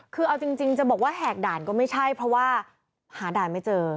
คือเอาจริงจะบอกว่าแหกด่านก็ไม่ใช่เพราะว่าหาด่านไม่เจอ